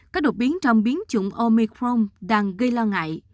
các đột biến trong biến chủng omicron đang gây lo ngại